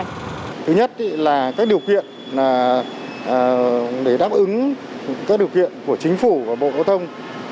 thứ nhất là các điều kiện để đáp ứng các điều kiện của chính phủ và bộ quốc thông